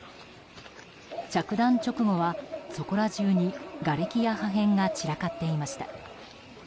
着弾直後は、そこら中にがれきや破片が散らかっていました。